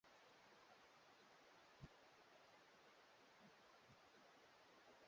barabara msikilizaji ni wasaa wa rfi micheza na nurdin seleman